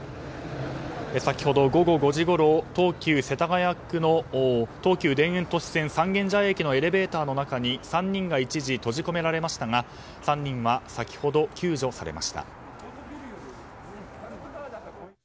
先ほど午後５時ごろ東京・世田谷区の東急田園都市線三軒茶屋駅のエレベーターの中に３人が一時閉じ込められましたが３人は先ほど救助されました。